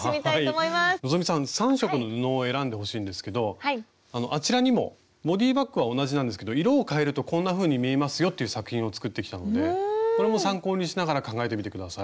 希さん３色の布を選んでほしいんですけどあちらにもボディーバッグは同じなんですけど色を変えるとこんなふうに見えますよっていう作品を作ってきたのでこれも参考にしながら考えてみて下さい。